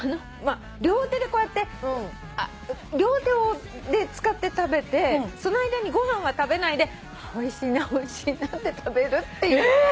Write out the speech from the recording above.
両手でこうやって両手を使って食べてその間にご飯は食べないでおいしいなおいしいなって食べるっていう感覚。